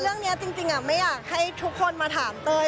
เรื่องนี้จริงไม่อยากให้ทุกคนมาถามเต้ย